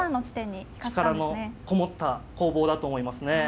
力のこもった攻防だと思いますね。